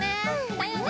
だよね。